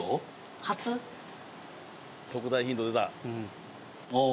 初特大ヒント出たあぁ！